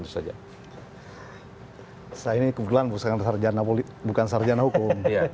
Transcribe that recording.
saya ini kebetulan bukan sarjana hukum